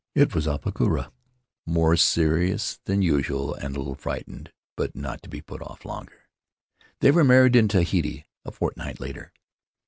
It was Apakura — more serious than usual and a little frightened, but not to be put off longer. They were married in Tahiti a fortnight later.